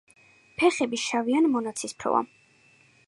ფეხები შავი ან მონაცრისფროა.